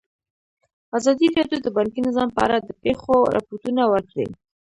ازادي راډیو د بانکي نظام په اړه د پېښو رپوټونه ورکړي.